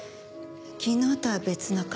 昨日とは別の方。